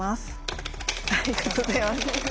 ありがとうございます。